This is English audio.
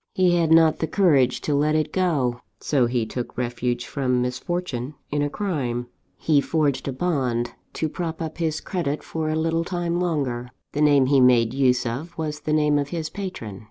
He had not the courage to let it go; so he took refuge from misfortune in a crime. "He forged a bond, to prop up his credit for a little time longer. The name he made use of was the name of his patron.